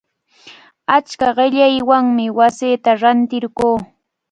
Achka qillaywanmi wasita rantirquu.